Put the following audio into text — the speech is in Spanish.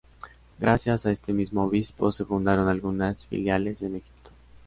Gracias a este mismo obispo se fundaron algunas filiales en Egipto.